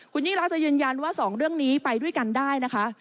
คุณยิ่งรักจะยืนยันว่าสองเรื่องนี้ไปด้วยกันได้นะคะ